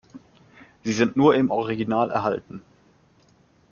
Sie sind nur im Original erhalten.